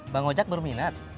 bang ojak berminat